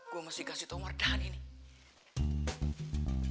gue masih kasih tau mardani nih